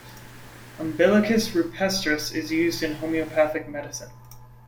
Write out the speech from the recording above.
"Umbilicus rupestris" is used in homeopathic medicine.